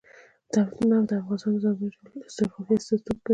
نفت د افغانستان د ځانګړي ډول جغرافیه استازیتوب کوي.